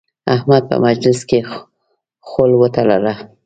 احمد په مجلس کې خول وتړله.